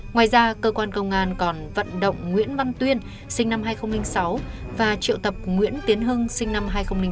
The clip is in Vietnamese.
ngoài ra cơ quan công an còn vận động nguyễn văn tuyên sinh năm hai nghìn sáu và triệu tập nguyễn tiến hưng sinh năm hai nghìn sáu